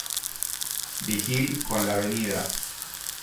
Vigil con la Av.